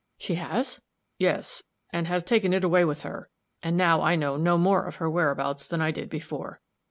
"She has?" "Yes. And has taken it away with her. And now I know no more of her whereabouts than I did before.